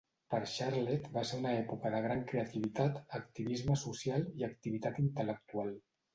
Per Charlotte va ser una època de gran creativitat, activisme social i activitat intel·lectual.